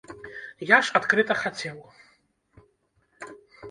Я ж адкрыта хацеў.